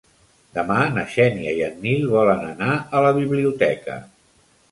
Demà na Xènia i en Nil volen anar a la biblioteca.